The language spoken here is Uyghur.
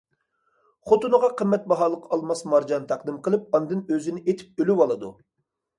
خوتۇنىغا قىممەت باھالىق ئالماس مارجان تەقدىم قىلىپ، ئاندىن ئۆزىنى ئېتىپ ئۆلۈۋالىدۇ.